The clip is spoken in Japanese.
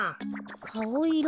かおいろ